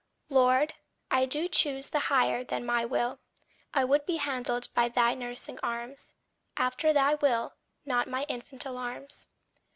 LORD, I do choose the higher than my will. I would be handled by thy nursing arms After thy will, not my infant alarms.